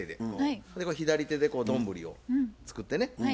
左手でこう丼を作ってね。